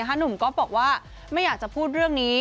หนุ่มก็บอกว่าไม่อยากจะพูดเรื่องนี้